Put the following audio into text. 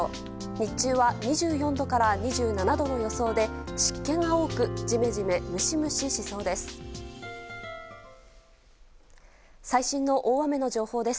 日中は２４度から２７度の予想で湿気が多くジメジメ、ムシムシしそうです。